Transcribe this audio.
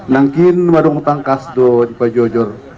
nangkin warung tangkas dojoh jor jor